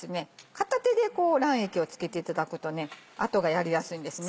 片手で卵液を付けていただくと後がやりやすいんですね。